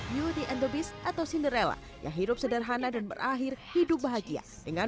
beauty and the beast atau cinderella yang hidup sederhana dan berakhir hidup bahagia dengan